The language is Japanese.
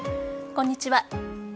こんにちは。